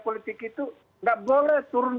politik itu nggak boleh turun